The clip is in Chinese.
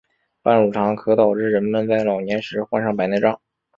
半乳糖可导致人们在老年时患上白内障。